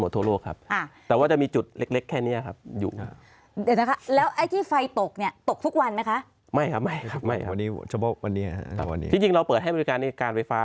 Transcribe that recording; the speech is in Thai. จริงเราเปิดให้บริการในการไฟฟ้า